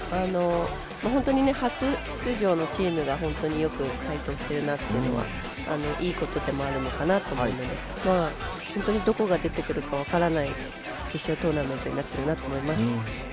本当に、初出場のチームが本当に、よく台頭しているなというのはいいことでもあるのかなと思うので本当に、どこが出てくるのか分からない決勝トーナメントになっているなと思います。